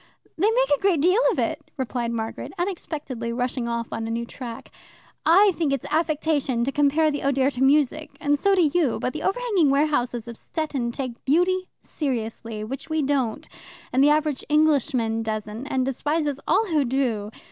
"They make a great deal of it," replied Margaret, unexpectedly rushing off on a new track. "I think it's affectation to compare the Oder to music, and so do you, but the overhanging warehouses of Stettin take beauty seriously, which we don't, and the average Englishman doesn't, and despises all who do.